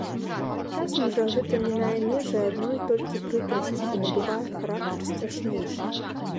Часам жа гэта мінае межы адной толькі прыкрасці і набывае характар страшнейшы.